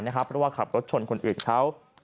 เพราะว่าขับรถชนคนอื่นเขา